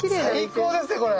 最高ですよこれ！